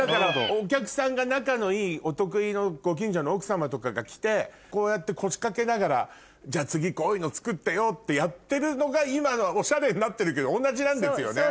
お客さんが仲のいいお得意のご近所の奥様とかが来てこうやって腰掛けながら次こういうの作ってよってやってるのが今オシャレになってるけど同じなんですよね？